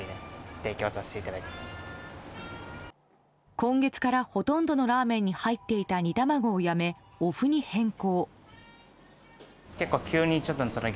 今月からほとんどのラーメンに入っていた煮卵をやめてお麩に変更。